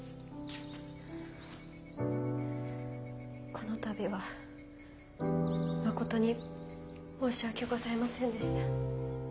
この度はまことに申し訳ございませんでした。